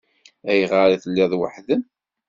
Ayɣer i telliḍ weḥd-m?